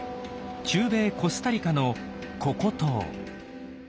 中米コスタリカのココ島。